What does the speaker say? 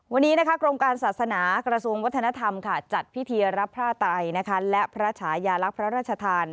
วันนี้กรมการศาสนากระทรวงวัฒนธรรมจัดพิธีรับพระไตและพระฉายาลักษณ์พระราชทาน